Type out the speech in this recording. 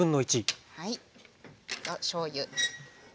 しょうゆ。